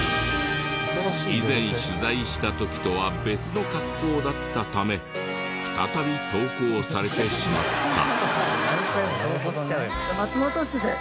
以前取材した時とは別の格好だったため再び投稿されてしまった。